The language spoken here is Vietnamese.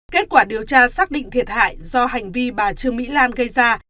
kết quả điều tra xác định thiệt hại do hành vi bà trương mỹ lan gây ra